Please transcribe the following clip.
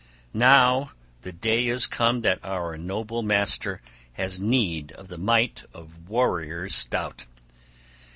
Now the day is come that our noble master has need of the might of warriors stout.